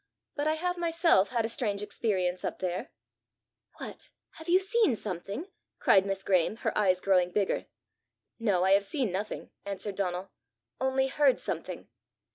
"But I have myself had a strange experience up there." "What! you have seen something?" cried Miss Graeme, her eyes growing bigger. "No; I have seen nothing," answered Donal, " only heard something.